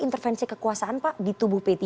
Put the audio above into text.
intervensi kekuasaan pak di tubuh p tiga